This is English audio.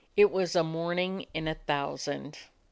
It was a morning in a thousand.